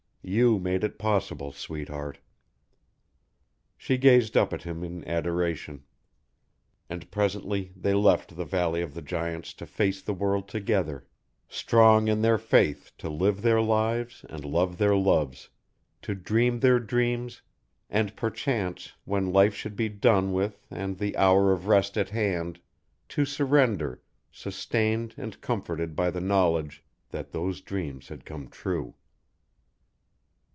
"You made it possible, sweetheart." She gazed up at him in adoration. And presently they left the Valley of the Giants to face the world together, strong in their faith to live their lives and love their loves, to dream their dreams and perchance when life should be done with and the hour of rest at hand, to surrender, sustained and comforted by the knowledge that those dreams had come true.